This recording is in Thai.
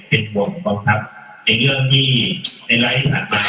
เป็นประโยชน์เป็นภวมความครับในเรื่องที่ในรายที่ผ่านมาก็